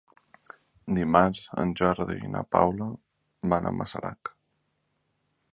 Dimarts en Jordi i na Paula van a Masarac.